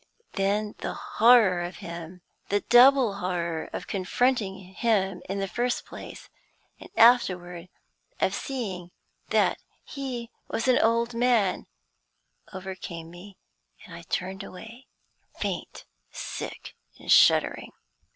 Then the horror of him the double horror of confronting him, in the first place, and afterward of seeing that he was an old man overcame me, and I turned away, faint, sick, and shuddering.